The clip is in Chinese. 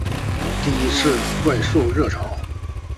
第一次怪兽热潮